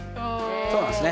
そうなんですね。